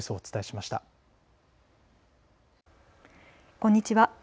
こんにちは。